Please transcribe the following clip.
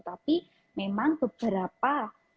tapi memang beberapa